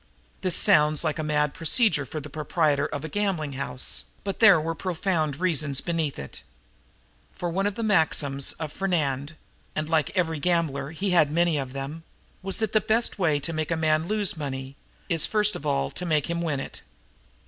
This sounds like a mad procedure for the proprietor of a gaming house, but there were profound reasons beneath it. For one of the maxims of Fernand and, like every gambler, he had many of them was that the best way to make a man lose money is first of all to make him win it.